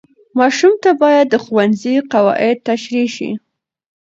ماشوم ته باید د ښوونځي قواعد تشریح شي.